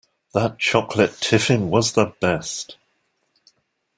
That chocolate tiffin was the best!